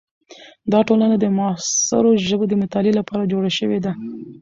دا ټولنه د معاصرو ژبو د مطالعې لپاره جوړه شوې ده.